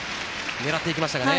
狙っていきましたがね。